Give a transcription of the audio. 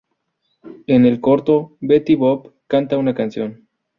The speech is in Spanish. En el corto, Betty Boop canta una canción.